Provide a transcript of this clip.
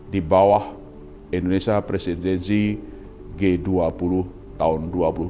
di bawah indonesia presidensi g dua puluh tahun dua ribu dua puluh